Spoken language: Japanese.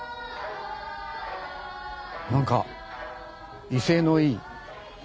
何か威勢のいい。